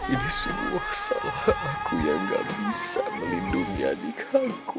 ini semua salah aku yang gak bisa melindungi adik aku